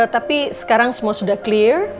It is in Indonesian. tapi sekarang semua sudah clear